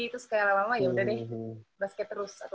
terus kayak lama lama ya udah deh basket terus